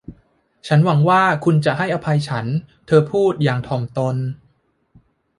ฉันหวังว่าคุณจะให้อภัยฉันเธอพูดอย่างถ่อมตน